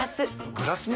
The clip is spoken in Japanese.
グラスも？